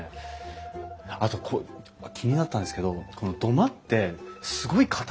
あと気になったんですけどこの土間ってすごい固いじゃないですか。